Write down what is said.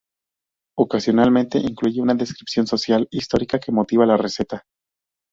Ocasionalmente incluye una descripción social, histórica que motiva la receta.